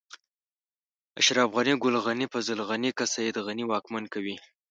اشرف غني، ګل غني، فضل غني، که سيد غني واکمن کوي.